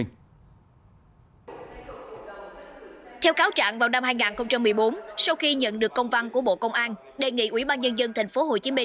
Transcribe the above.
theo cáo trạng vào năm hai nghìn một mươi bốn sau khi nhận được công văn của bộ công an đề nghị ủy ban nhân dân tp hcm